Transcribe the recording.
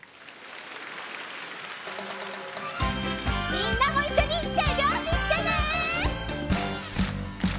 みんなもいっしょにてびょうししてね！